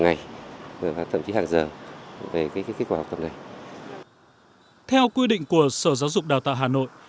ngày và thậm chí hàng giờ về cái kết quả học tập này theo quy định của sở giáo dục đào tạo hà nội